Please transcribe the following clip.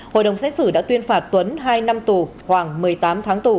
hội đồng xét xử đã tuyên phạt tuấn hai năm tù khoảng một mươi tám tháng tù